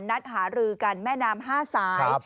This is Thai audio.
นัดหารือกันแม่น้ำ๕สาย